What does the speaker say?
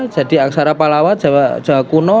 jadi aksara palawa jawa kuno